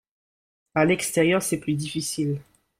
À l’extérieur, c’est plus difficile